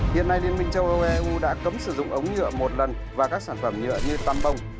hiện nay liên minh châu âu eu đã cấm sử dụng ống nhựa một lần và các sản phẩm nhựa như tam bông